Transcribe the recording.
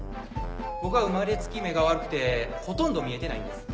僕は生まれつき目が悪くてほとんど見えてないんです。